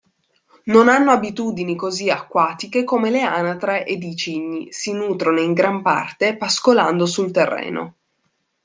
Non hanno abitudini così acquatiche come le anatre ed i cigni, si nutrono in gran parte pascolando sul terreno.